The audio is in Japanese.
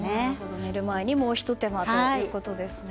寝る前にもうひと手間ということですね。